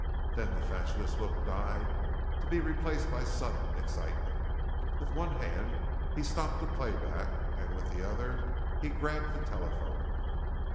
Then the fatuous look died to be replaced by sudden excitement. With one hand he stopped the playback and with the other he grabbed the telephone.